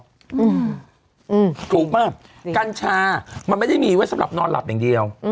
อืมถูกป่ะกัญชามันไม่ได้มีไว้สำหรับนอนหลับอย่างเดียว